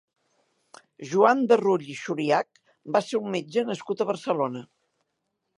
Joan de Rull i Xuriach va ser un metge nascut a Barcelona.